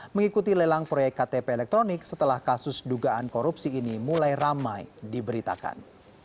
mengikuti lelang proyek ktp elektronik setelah kasus dugaan korupsi ini mulai ramai diberitakan